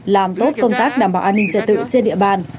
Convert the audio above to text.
làm tốt công tác đảm bảo an ninh trật tự trên địa bàn